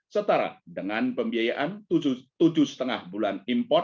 setara dengan pembiayaan tujuh lima bulan import atau tujuh tiga bulan import